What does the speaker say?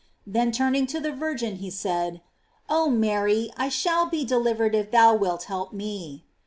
Then turning to the Virgin, he said: "Oh Mary, I shall be delivered if thou wilt help me."